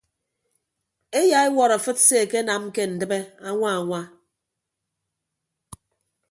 Eyauwọt afịt se akenam ke ndịbe añwa añwa.